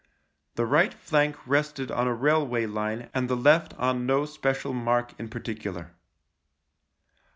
The right flank rested on a railway line and the left on no special mark in parti cular.